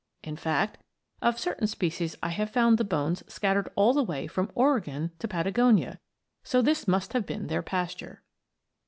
In fact, of certain species I have found the bones scattered all the way from Oregon to Patagonia; so this must have been their pasture.